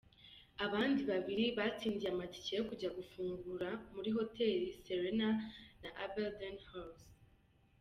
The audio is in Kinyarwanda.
Abandi babiri batsindiye amatike yo kujya gufungura muri Hotel Serena na Aberdeen House.